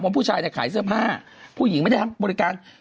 ผู้ชายเนี่ยขายเสื้อผ้าผู้หญิงไม่ได้ทำบริการ